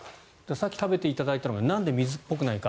さっき食べていただいたのがなんで水っぽくないのか。